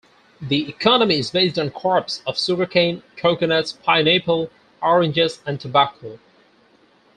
The economy is based on crops of sugarcane, coconuts, pineapple, oranges and tobacco.